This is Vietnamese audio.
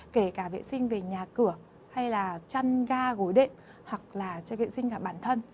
kể cả vệ sinh về nhà cửa hay là chăn ga gối đệm hoặc là cho vệ sinh cả bản thân